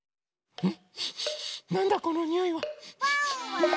うん。